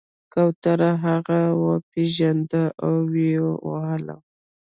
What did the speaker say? کوترو هغه وپیژند او ویې واهه.